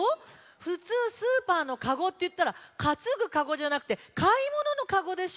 ふつうスーパーのかごっていったらかつぐかごじゃなくてかいもののかごでしょ。